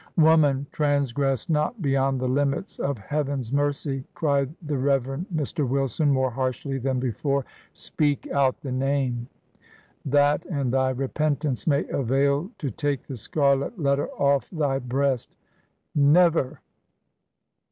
'Woman, transgress not be yond the limits of Heaven's mercy I' cried the Rev. Mr. Wilson, more harshly than before. ...' Speak out the name I That, and thy repentance, may avail to take the scarlet letter ofiF thy breast.' 'Never!'